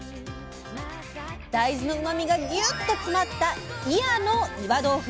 大豆のうまみがギュッと詰まった祖谷の岩豆腐。